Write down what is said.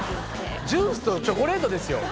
ジュースとチョコレートですよ